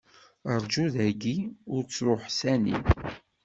Rju dayi, ur ttruḥ sani.